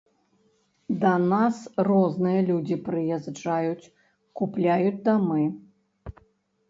Да нас розныя людзі прыязджаюць, купляюць дамы.